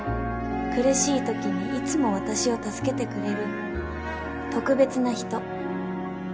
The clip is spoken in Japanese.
苦しいときにいつも私を助けてくれる特別な人